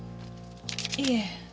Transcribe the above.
いえ。